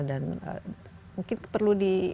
dan mungkin perlu di